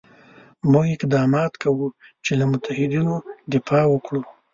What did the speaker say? موږ اقدامات کوو چې له متحدینو دفاع وکړو.